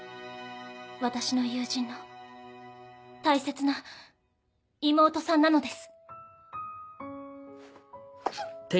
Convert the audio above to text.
私の友人の大切な妹さんなのです。